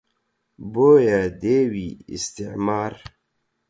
بۆیە دێوی ئیستیعمار